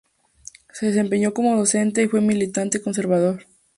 Se desempeñó como docente y fue militante conservador.